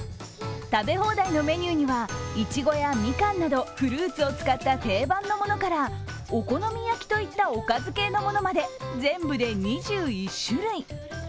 食べ放題のメニューには、いちごやみかんなどフルーツを使った定番のものからお好み焼きといった、おかず系のものまで、全部で２１種類。